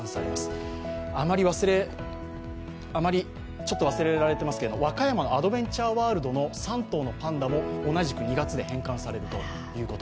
ちょっと忘れられていますけど、和歌山のアドベンチャーワールドの３頭のパンダも、同じく、２月で返還されるということ。